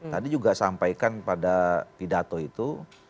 tadi juga sampaikan pada pidato itu